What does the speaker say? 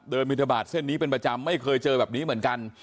บินทบาทเส้นนี้เป็นประจำไม่เคยเจอแบบนี้เหมือนกัน